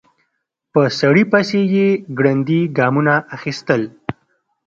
په سړي پسې يې ګړندي ګامونه اخيستل.